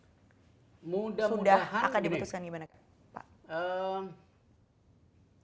sudah akan diputuskan gimana pak